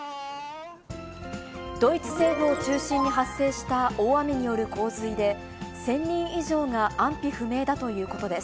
ドイツ西部を中心に発生した大雨による洪水で、１０００人以上が安否不明だということです。